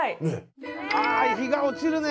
ああ日が落ちるね！